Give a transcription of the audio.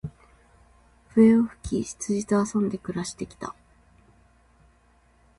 笛を吹き、羊と遊んで暮して来た。